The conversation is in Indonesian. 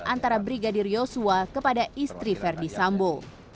antara brigadir yosua kepada istri verdi sambo